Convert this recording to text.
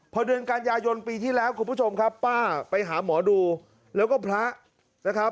พอเดือนกันยายนปีที่แล้วคุณผู้ชมครับป้าไปหาหมอดูแล้วก็พระนะครับ